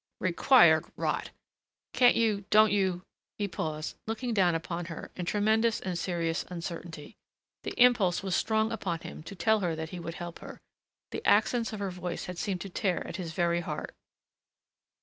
"Required rot! Can't you don't you " he paused, looking down upon her in tremendous and serious uncertainty. The impulse was strong upon him to tell her that he would help her. The accents of her voice had seemed to tear at his very heart.